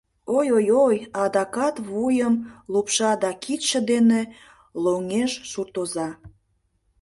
— Ой-ой-ой... — адакат вуйым лупша да кидше дене лоҥеш суртоза.